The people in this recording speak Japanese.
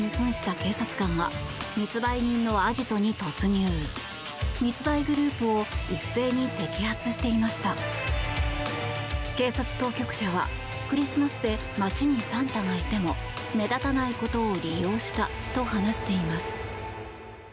警察当局者はクリスマスで街にサンタがいても目立たないことを利用したと話しています。